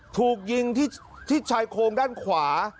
ถูกยิงที่ชายโครงด้านขวา